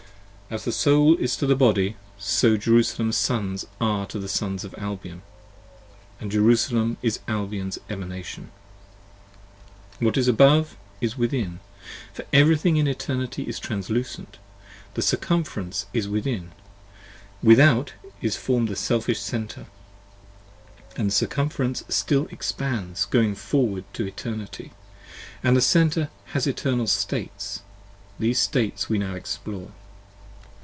As the Soul is to the Body, so Jerusalem's Sons 5 Are to the Sons of Albion : and Jerusalem is Albion's Emanation. What is Above is Within, for everything in Eternity is translucent; The Circumference is Within: Without, is formed the Selfish Center: And the Circumference still expands going forward to Eternity, And the Center has Eternal States! these States we now explore.